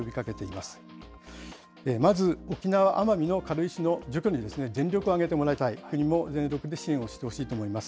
まず沖縄・奄美の軽石の除去に全力を挙げてもらいたい、国も支援をしてほしいと思います。